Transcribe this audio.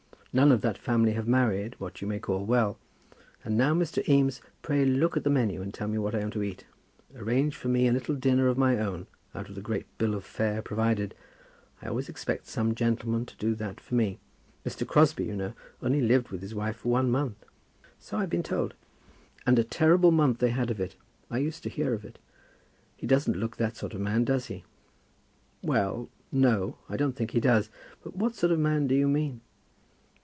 None of that family have married what you may call well. And now, Mr. Eames, pray look at the menu and tell me what I am to eat. Arrange for me a little dinner of my own, out of the great bill of fare provided. I always expect some gentleman to do that for me. Mr. Crosbie, you know, only lived with his wife for one month." "So I've been told." "And a terrible month they had of it. I used to hear of it. He doesn't look that sort of man, does he?" "Well; no. I don't think he does. But what sort of man do you mean?"